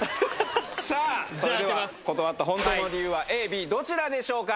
さあそれでは断った本当の理由はＡＢどちらでしょうか